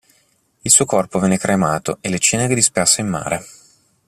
Il suo corpo venne cremato e le ceneri disperse in mare.